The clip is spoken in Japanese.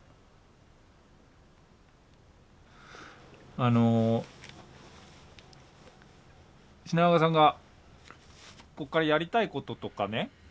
あの品川さんがここからやりたいこととかね。